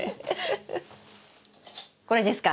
これですか？